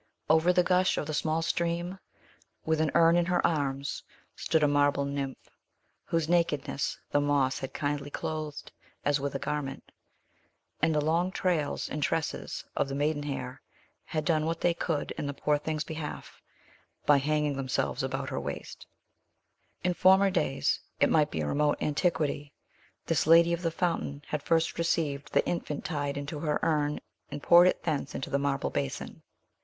Over the gush of the small stream, with an urn in her arms, stood a marble nymph, whose nakedness the moss had kindly clothed as with a garment; and the long trails and tresses of the maidenhair had done what they could in the poor thing's behalf, by hanging themselves about her waist, In former days it might be a remote antiquity this lady of the fountain had first received the infant tide into her urn and poured it thence into the marble basin.